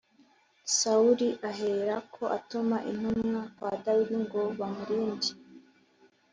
Sawuli aherako atuma intumwa kwa Dawidi ngo bamurinde